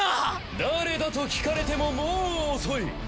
誰だと聞かれてももう遅い。